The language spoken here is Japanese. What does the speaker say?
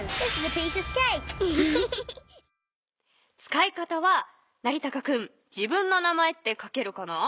使い方はなりたか君自分の名前って書けるかな？